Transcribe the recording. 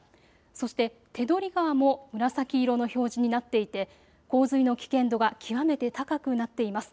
そして手取川も紫色の表示になっていて洪水の危険度が極めて高くなっています。